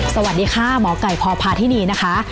สวัสดีค่ะหมอไก่พพาธินีนะคะ